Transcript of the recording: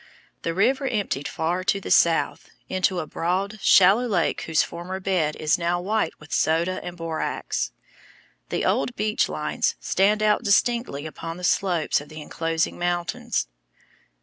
The river emptied far to the south, into a broad, shallow lake whose former bed is now white with soda and borax. The old beach lines stand out distinctly upon the slopes of the enclosing mountains.